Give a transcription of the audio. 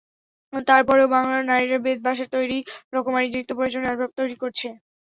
তারপরেও বাংলার নারীরা বেত, বাঁশের তৈরি রকমারি নিত্যপ্রয়োজনীয় আসবাব তৈরি করছে।